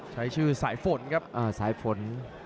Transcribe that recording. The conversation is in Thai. ใช้ชื่อสายฝนครับสายฝน